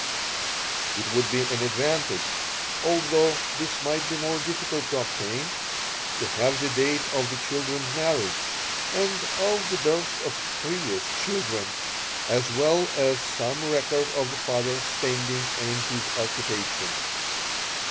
"It would be an advantage although this might be more difficult to obtain to have the date of the children's marriage, and of the birth of previous children, as well as some record of the father's standing in his occupation.